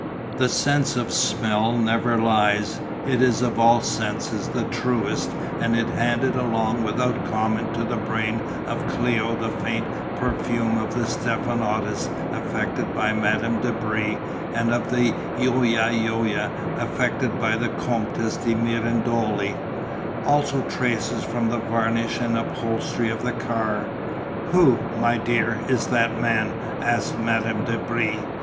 The sense of smell never lies; it is of all senses the truest and it handed along without comment to the brain of Cléo the faint perfume of the stephanotis affected by Madame de Brie and of the Yoya yoya affected by the Comtesse de Mirandole, also traces from the varnish and upholstery of the car. "Who, my dear, is that man," asked Madame de Brie.